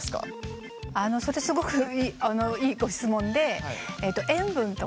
それすごくいいご質問で。